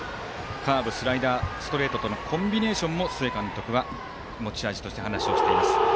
カーブ、スライダーストレートとのコンビネーションも須江監督は持ち味として話をしています。